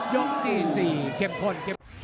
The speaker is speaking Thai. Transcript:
ยกที่สี่เข้มข้น